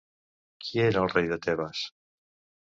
Qui era el rei de Tebes?